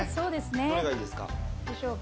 どれがいいですか？